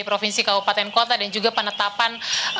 provinsi kabupaten kota dan juga penetapan